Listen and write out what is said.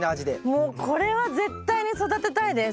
もうこれは絶対に育てたいです。